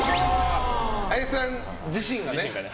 林さん自身がね。